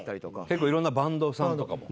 結構いろんなバンドさんとかも。